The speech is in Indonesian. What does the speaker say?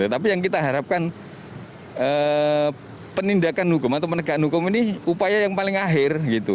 tapi yang kita harapkan penindakan hukum atau penegakan hukum ini upaya yang paling akhir